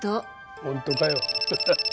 本当かよ。